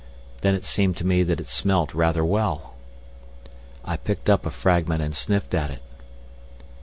Then it seemed to me that it smelt rather well. I picked up a fragment and sniffed at it.